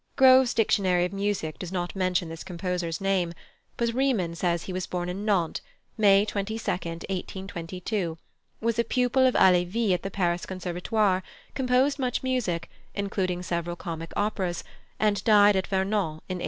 Grove's Dictionary of Music does not mention this composer's name, but Riemann says he was born in Nantes, May 22, 1822, was a pupil of Halévy at the Paris Conservatoire, composed much music, including several comic operas, and died at Vernon in 1898.